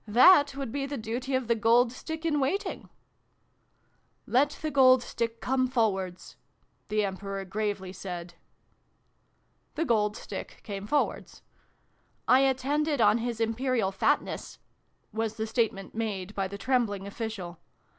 " That would be the duty of the Gold Stick in Waiting." " Let the Gold Stick come forwards !" the Emperor gravely said. The Gold Stick came forwards. " I attended on His Imperial Fatness," was the statement made by the trembling official.